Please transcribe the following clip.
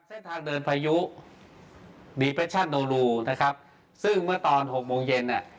เส้นทางเดินพายุนะครับซึ่งเมื่อตอนหกโมงเย็นน่ะ